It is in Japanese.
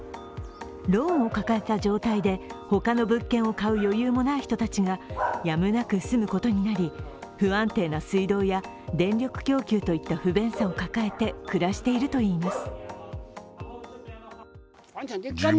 ローンを抱えた状態で他の物件を買う予定もない人たちがやむなく住むことになり、不安定な水道や電力供給といった不便さを抱えて暮らしているといいます。